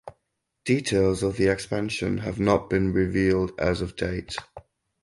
Details of the expansion have not been revealed as of date.